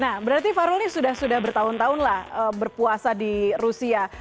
nah berarti farul ini sudah sudah bertahun tahun lah berpuasa di rusia